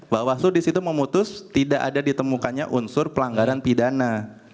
bawaslu disitu memutus tidak ada ditemukannya unsur pelanggaran pidana